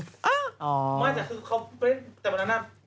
แต่วันนั้นอะ